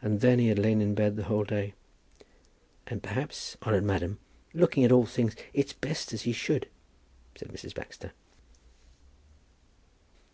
And then he had lain in bed the whole day. "And, perhaps, honoured madam, looking at all things, it's best as he should," said Mrs. Baxter.